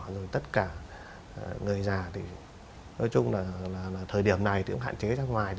rồi tất cả người già thì nói chung là thời điểm này thì cũng hạn chế ra ngoài